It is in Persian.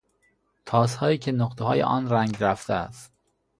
تاسهایی که نقطههای آن رنگ رفته است